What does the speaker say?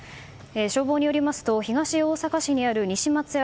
消防によりますと東大阪市にある西松屋